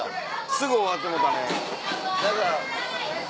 すぐ終わってもうたね。